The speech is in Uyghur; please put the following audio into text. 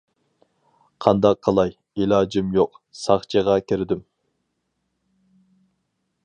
قانداق قىلاي، ئىلاجىم يوق..... ساقچىغا كىردىم.